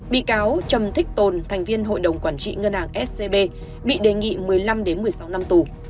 bị cáo trầm thích tồn thành viên hội đồng quản trị ngân hàng scb bị đề nghị một mươi năm một mươi sáu năm tù